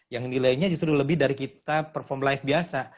yang nilainya justru lebih dari kita perform live biasa